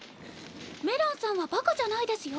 メランさんはバカじゃないですよ。